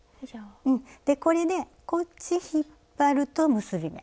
でこれでこっち引っ張ると結び目。